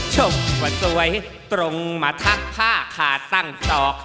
กว่าสวยตรงมาทักผ้าขาดตั้งศอก